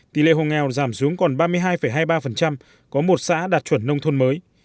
tỷ lệ hồ nghèo giảm xuống còn ba mươi hai hai mươi ba có một xã đạt chuẩn nông thôn mới